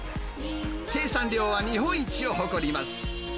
生産量は日本一を誇ります。